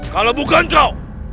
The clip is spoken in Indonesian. kalau bukan kau